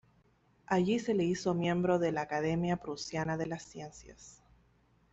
Allí se le hizo miembro de la Academia Prusiana de las Ciencias.